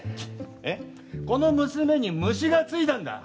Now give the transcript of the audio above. この娘に虫がついたんだ。